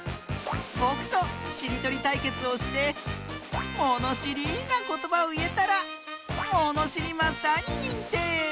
ぼくとしりとりたいけつをしてものしりなことばをいえたらものしりマスターににんてい！